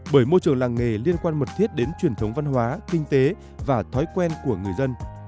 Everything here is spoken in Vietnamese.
bởi môi trường làng nghề liên quan mật thiết đến truyền thống văn hóa kinh tế và thói quen của người dân